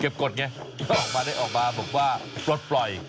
เก็บกฎไงออกมาบอกว่าปลดปล่อย